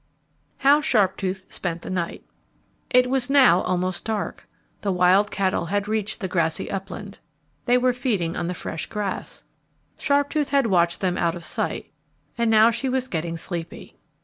How Sharptooth Spent the Night It was now almost dark. The wild cattle had reached the grassy upland. They were feeding on the fresh grass. Sharptooth had watched them out of sight, and now she was getting sleepy.